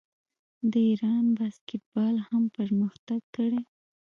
د ایران باسکیټبال هم پرمختګ کړی.